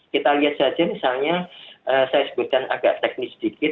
kita lihat saja misalnya saya sebutkan agak teknis sedikit